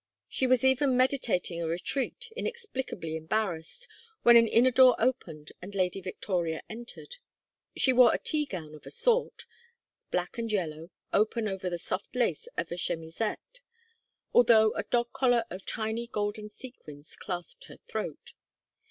She was even meditating a retreat, inexplicably embarrassed, when an inner door opened and Lady Victoria entered. She wore a tea gown of a sort, black and yellow, open over the soft lace of a chemisette, although a dog collar of tiny golden sequins clasped her throat.